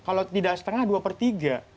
kalau tidak setengah dua per tiga